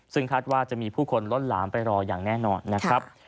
ซึ่งคาดว่าจะมีผู้คนล้นหลามไปรออย่างแน่นอนนะครับ